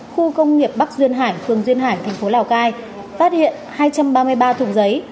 khu công nghiệp bắc duyên hải phường duyên hải thành phố lào cai phát hiện hai trăm ba mươi ba thùng giấy